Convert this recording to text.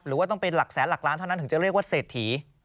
หรือว่าต้องเป็นหลักแสนหลักล้านเท่านั้นถึงจะเรียกว่าเศรษฐี